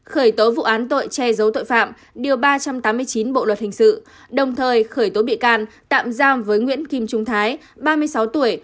khởi tố vụ án tội che giấu tội phạm điều ba trăm tám mươi chín bộ luật hình sự đồng thời khởi tố bị can tạm giam với nguyễn kim trung thái ba mươi sáu tuổi